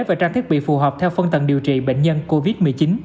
và trang thiết bị phù hợp theo phân tầng điều trị bệnh nhân covid một mươi chín